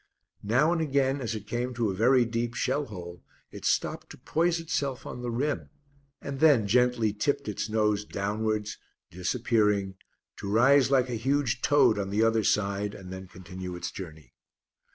Now and again as it came to a very deep shell hole it stopped to poise itself on the rim and then gently tipped its nose downwards, disappearing, to rise like a huge toad on the other side, and then continue its journey.